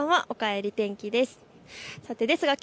おかえり天気です。